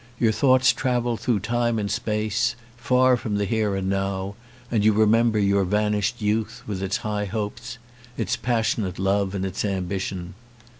Your thoughts travel through time and space, far from the Here and Now, and you re member your vanished youth with its high hopes, its passionate love, and its ambition.